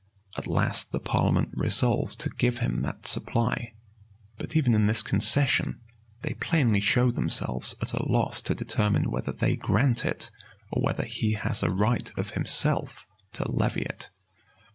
At last the parliament resolved to give him that supply; but even in this concession, they plainly show themselves at a loss to determine whether they grant it, or whether he has a right of himself to levy it.